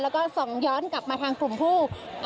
แล้วก็ส่องย้อนกลับมาทางกลุ่มผู้